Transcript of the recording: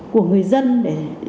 của người dân để